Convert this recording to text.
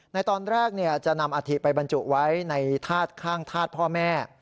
ในตอนแรกจะนำอาธิไปบรรจุไว้ในธาตุข้างธาตุพ่อแม่